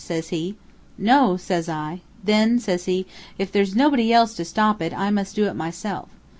says he. 'No,' says I. 'Then,' says he, 'if there's nobody else to stop it, I must do it myself.'